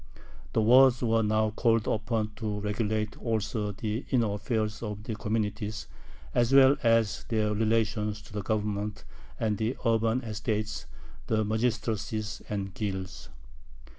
The Waads were now called upon to regulate also the inner affairs of the communities as well as their relations to the Government and the urban estates, the magistracies and guilds.